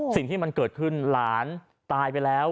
สิ่งที่มันเกิดขึ้นหลานตายไปแล้ว